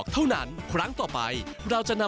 ทั้งเล่นเกมโชว์ลีลาแดนซ์